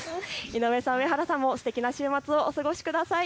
井上さん、上原さんもすてきな週末をお過ごしください。